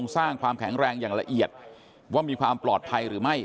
สร้างความแข็งแรงอย่างละเอียดว่ามีความปลอดภัยหรือไม่